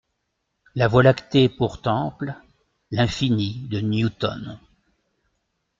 La Voie lactée pour temple, l'infini de Newton.